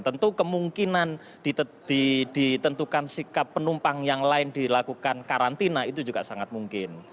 tentu kemungkinan ditentukan sikap penumpang yang lain dilakukan karantina itu juga sangat mungkin